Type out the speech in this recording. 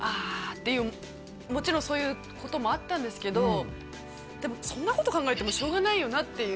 ていうもちろんそういうこともあったんですけどでもそんなこと考えてもしょうがないよなっていう